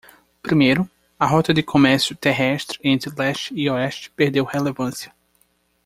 Primeiro?, a rota de comércio terrestre entre leste e oeste perdeu relevância.